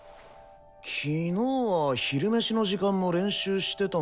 昨日は昼メシの時間も練習してたのになぁ。